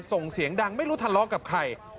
ส่งเสียงดังไม่รู้ทะเลาะกับใคร